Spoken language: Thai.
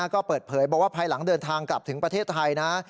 ก็เปิดเผยบอกว่าภายหลังเดินทางกลับถึงประเทศไทยนะ